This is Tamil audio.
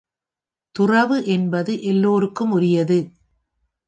துறவு என்பது எல்லோருக்கும் உரியது.